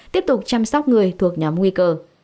tiếp tục chăm sóc người thuộc nhóm nguy cơ